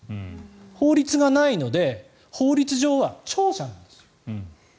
法律がないので法律上は庁舎なんですよ。